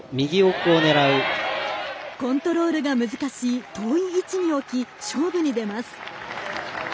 コントロールが難しい遠い位置に置き勝負に出ます。